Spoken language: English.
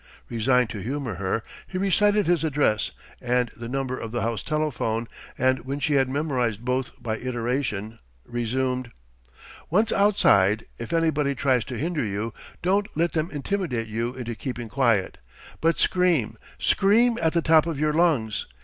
Resigned to humour her, he recited his address and the number of the house telephone, and when she had memorized both by iteration, resumed: "Once outside, if anybody tries to hinder you, don't let them intimidate you into keeping quiet, but scream, scream at the top of your lungs.